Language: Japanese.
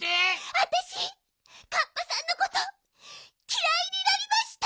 わたしカッパさんのこときらいになりました！